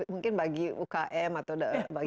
mungkin bagi umkm atau